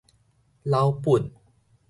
老本